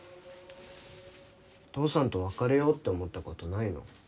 父さんと別れようって思ったことないの？